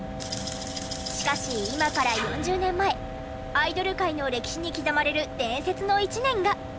しかし今から４０年前アイドル界の歴史に刻まれる伝説の一年が。